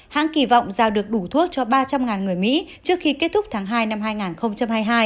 hãng kỳ vọng giao được đủ thuốc cho ba trăm linh người mỹ trước khi kết thúc tháng hai năm hai nghìn hai mươi hai